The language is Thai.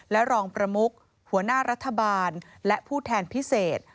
และรองประมุกหัวหน้ารัฐบาลและผู้แทนพิเศษ